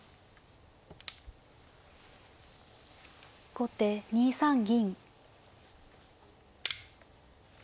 後手２三銀。